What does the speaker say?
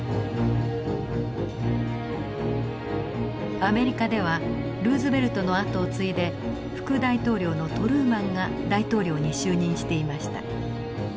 アメリカではルーズベルトの後を継いで副大統領のトルーマンが大統領に就任していました。